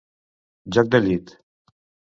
Joc de llit.